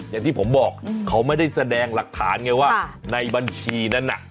อย่างที่ผมบอกเขาไม่ได้แสดงหลักฐานไงว่าในบัญชีนั้นน่ะ